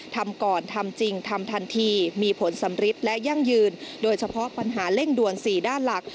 ทำก่อนทำจริงทำทันทีมีผลสำริดและยั่งยืนโดยเฉพาะปัญหาเร่งด่วน๔ด้านหลัก